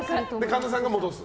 神田さんが戻す？